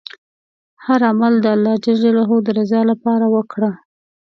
هر عمل د الله ﷻ د رضا لپاره وکړه.